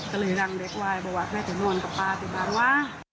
ก็เลยรั้งเด็กไว้บอกว่าแค่จะนอนกับป้าไปบ้านว่ะ